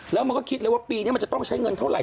แล้วมันก็คิดเลยว่าปีนี้มันจะต้องใช้เงินเท่าไห